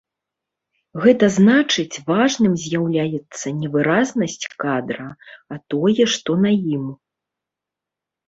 Гэта значыць важным з'яўляецца не выразнасць кадра, а тое, што на ім.